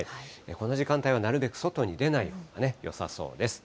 この時間帯はなるべく外に出ないほうがよさそうです。